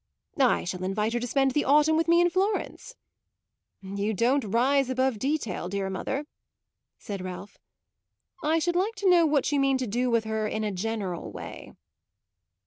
"I shall invite her to spend the autumn with me in Florence." "You don't rise above detail, dear mother," said Ralph. "I should like to know what you mean to do with her in a general way."